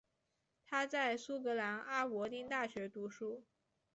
他在苏格兰阿伯丁大学读书。